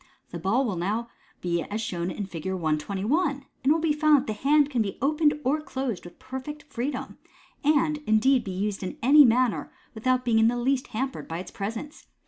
The ball will now be as shown in Fig. 121, and it will be found that the hand can be opened or closed with perfect freedom, and, indeed, be used in any manner, without being in the least hampered by its presence.